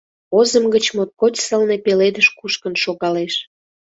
Озым гыч моткоч сылне пеледыш кушкын шогалеш.